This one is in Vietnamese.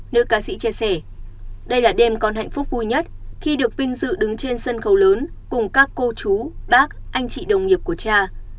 nữ ca sĩ chia sẻ đây là đêm con hạnh phúc vui nhất khi được vinh dự đứng trên sân khấu lớn cùng các cô chú bác anh chị đồng nghiệp của cha